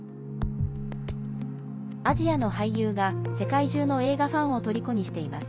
アジアの俳優が世界中の映画ファンをとりこにしています。